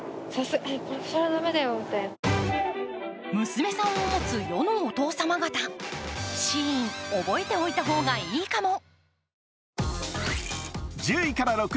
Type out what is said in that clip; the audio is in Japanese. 娘さんを持つ世のお父さん方、ＳＨＥＩＮ、覚えておいた方がいいかも。